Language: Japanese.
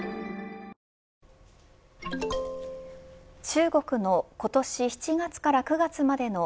中国の今年７月から９月までの